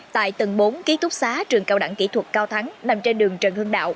tại tầng bốn ký túc xá trường cao đẳng kỹ thuật cao thắng nằm trên đường trần hương đạo